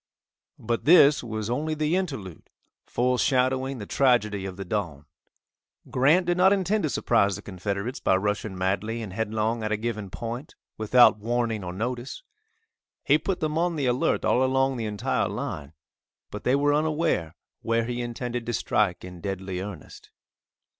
But this was only the interlude foreshadowing the tragedy of the dawn. Grant did not intend to surprise the Confederates by rushing madly and headlong at a given point, without warning or notice. He put them on the alert all along the entire line, but they were unaware where he intended to strike in deadly earnest.